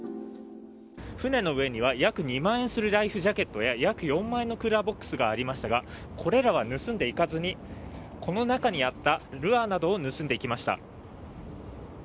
船の上には約２万円するライフジャケットや約４万円のクーラーボックスがありましたが、これらは盗んでいかずに、この中にあったルアーなどを盗んでいきました。